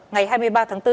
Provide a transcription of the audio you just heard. ngày hai mươi ba tháng bốn